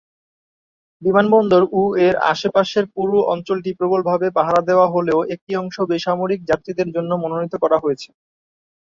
বিমানবন্দর ও এর আশেপাশের পুরো অঞ্চলটি প্রবলভাবে পাহারা দেওয়া হলেও একটি অংশ বেসামরিক যাত্রীদের জন্য মনোনীত করা হয়েছে।